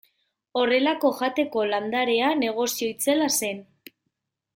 Horrelako jateko landarea negozio itzela zen.